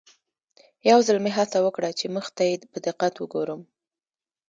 یو ځل مې هڅه وکړه چې مخ ته یې په دقت وګورم.